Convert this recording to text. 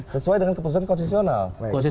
sesuai dengan keputusan konstitusional